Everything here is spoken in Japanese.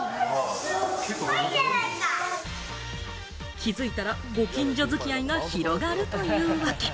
気づいたら、ご近所付き合いが広がるというわけ。